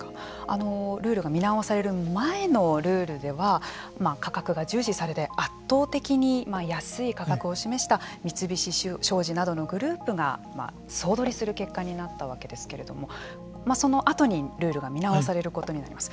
ルールが見直される前のルールでは価格が重視されて圧倒的に安い価格を示した三菱商事などのグループが総取りする結果になったわけですけれどもそのあとにルールが見直されることになります。